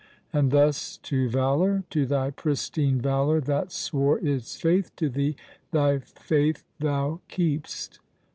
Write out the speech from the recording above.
And thus to Valour, to thy pristine Valour That swore its faith to thee, thy faith thou keep'st?